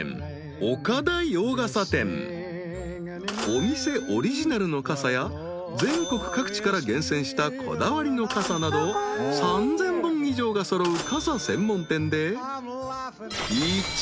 ［お店オリジナルの傘や全国各地から厳選したこだわりの傘など３，０００本以上が揃う］